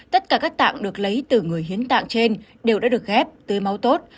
tất cả các tạng được lấy từ người hiến tạng trên đều đã được ghép tới máu tốt